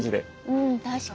うん確かに。